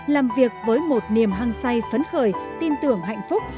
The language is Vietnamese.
làm việc với một niềm hăng say phấn khởi tin tưởng hạnh phúc